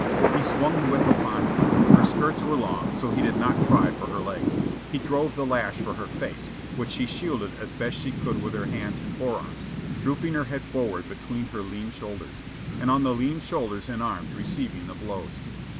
He swung the whip upon her. Her skirts were long, so he did not try for her legs. He drove the lash for her face, which she shielded as best she could with her hands and forearms, drooping her head forward between her lean shoulders, and on the lean shoulders and arms receiving the blows.